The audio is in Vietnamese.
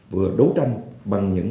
vừa đấu tranh bằng những